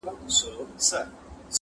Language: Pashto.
زما پر لاره برابر راسره مه ځه،